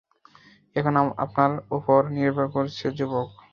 এখন আপনার উপর নির্ভর করছে যুবক।